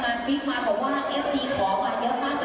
ก็ว่าเอฟซีขอมาเยอะมากตอนนี้ขอเยอะสุดเลยให้ถามหน่อยได้ไหมว่าลุงพล